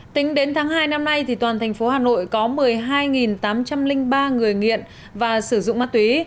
tính đến tháng hai năm nay toàn thành phố hà nội có một mươi hai tám trăm linh ba người nghiện và sử dụng ma túy